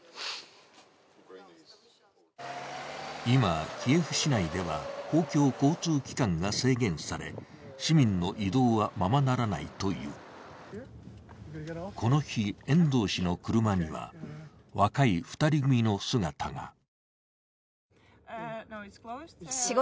今、キエフ市内では公共交通機関が制限され市民の移動は、ままならないというこの日、遠藤氏の車には若い２人組の姿が。